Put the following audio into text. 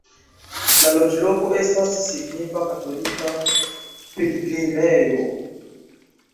La loĝloko estas signifa katolika pilgrimejo.